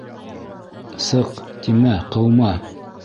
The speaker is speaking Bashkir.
— Сыҡ, тимә, ҡыума!